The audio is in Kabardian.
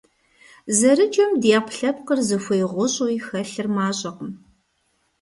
Зэрыджэм ди Ӏэпкълъэпкъыр зыхуей гъущӀуи хэлъыр мащӀэкъым.